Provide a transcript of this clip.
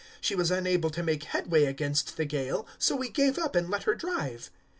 027:015 She was unable to make headway against the gale; so we gave up and let her drive.